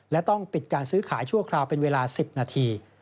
และต้องปิดการซื้อขายชั่วคราวเป็นเวลา๑๐นาที